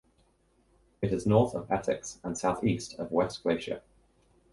It is north of Essex and southeast of West Glacier.